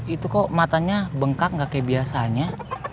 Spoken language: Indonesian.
itu kok matanya bengkak nggak kayak biasanya